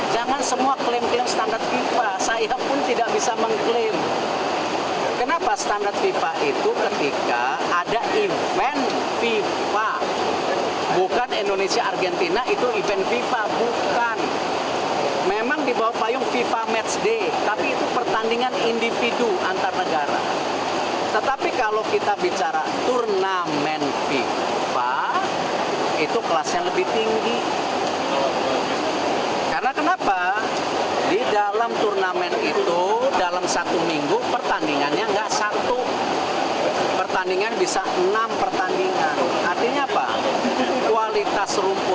jangan lupa like share dan subscribe channel ini untuk dapat info terbaru